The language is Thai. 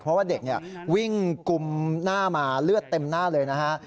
เพราะว่าเด็กวิ่งกุมหน้ามาเลือดเต็มหน้าเลยนะฮะ